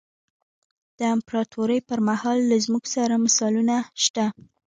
د امپراتورۍ پرمهال له موږ سره مثالونه شته.